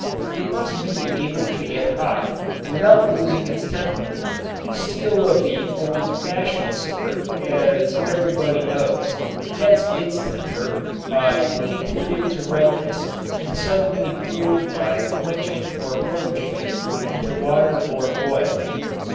It must be able to get hot without losing its temper. Steel of the old fashioned sort, as everybody knows, gets its temper by being heated to redness and suddenly cooled by quenching or plunging it into water or oil.